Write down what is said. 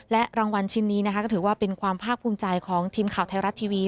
และรางวัลชิ้นนี้นะคะก็ถือว่าเป็นความภาคภูมิใจของทีมข่าวไทยรัฐทีวี